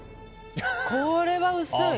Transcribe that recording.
これは薄い！